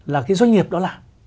là cái doanh nghiệp đó làm